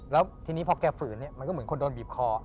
แล้วทีนี้พอแกฝืนมันก็เหมือนคนโดนบีบคอ